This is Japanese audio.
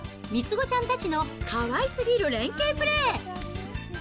３つ子ちゃんたちのかわいすぎる連係プレー。